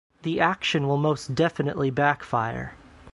The action will most definitely backfire.